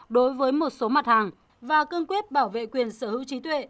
đối với một số mặt hàng và cương quyết bảo vệ quyền sở hữu trí tuệ